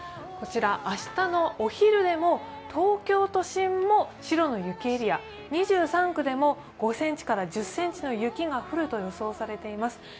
こちら明日のお昼でも東京都心も白の雪エリア、２３区でも５ｃｍから１０ｃｍの雪が降ると予想されています。